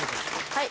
はい！